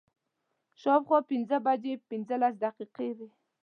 شا او خوا پنځه بجې پنځلس دقیقې وې.